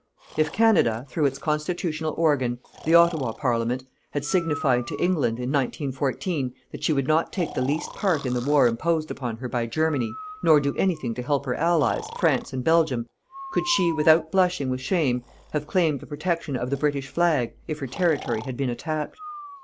If Canada, through its constitutional organ, the Ottawa Parliament, had signified to England, in 1914, that she would not take the least part in the war imposed upon her by Germany, nor do anything to help her Allies, France and Belgium, could she, without blushing with shame, have claimed the protection of the British flag, if her territory had been attacked.